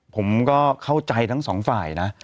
ผมก็เข้าใจทั้งสองฝ่ายนะ